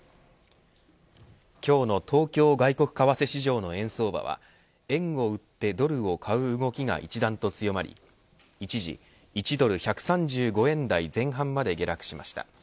今日の外国為替市場の円相場は円を売ってドルを買う動きが一段と強まり一時、１ドル１３５円台まで下落しました。